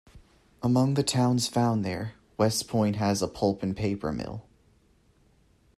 Among the towns found there, West Point has a pulp-and-paper mill.